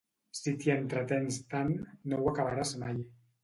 Si t'hi entretens tant, no ho acabaràs mai.